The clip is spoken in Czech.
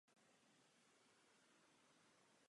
Tato definice se stále používá.